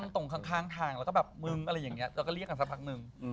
ตรงข้างทางเราก็เรียกกันสักพักนึง